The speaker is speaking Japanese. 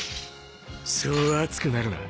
そう熱くなるな。